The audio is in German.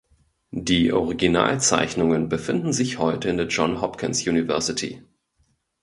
Die Originalzeichnungen befinden sich heute in der Johns Hopkins University.